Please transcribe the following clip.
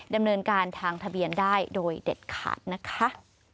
ดำเนินการทางทะเบียนได้โดยเด็ดขาดนะคะ